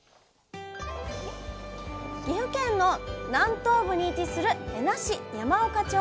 岐阜県の南東部に位置する恵那市山岡町。